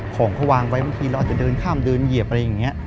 ของเขาวางไว้บางทีเราอาจจะเดินข้ามเดินเหยียบอะไรอย่างนี้